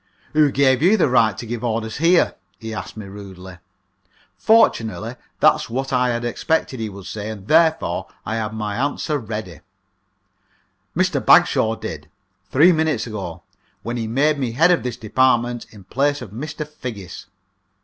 "Who gave you the right to give orders here?" he asked me, rudely. Fortunately, that was what I had expected he would say, and therefore I had my answer ready: "Mr. Bagshaw did, three minutes ago, when he made me head of this department in place of Mr. Figgis."